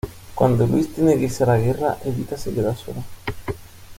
Cuando Luis tiene que irse a la guerra, Evita se queda sola.